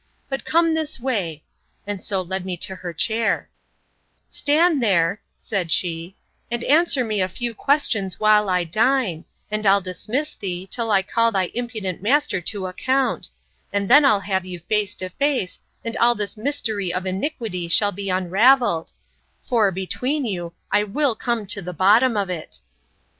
but come this way; and so led me to her chair: Stand there, said she, and answer me a few questions while I dine, and I'll dismiss thee, till I call thy impudent master to account; and then I'll have you face to face, and all this mystery of iniquity shall be unravelled; for, between you, I will come to the bottom of it.